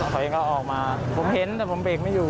เขาเองก็ออกมาผมเห็นแต่ผมเบรกไม่อยู่